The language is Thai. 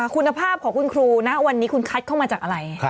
คุณภาพของคุณครูนะวันนี้คุณคัดเข้ามาจากอะไร